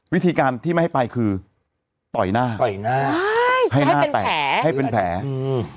วิธีการที่ไม่ให้ไปคือต่อยหน้าต่อยหน้าให้หน้าแตกแผลให้เป็นแผลอืม